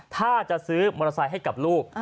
ถ้าจะซื้อมอเตอร์ไซค์ให้กับลูก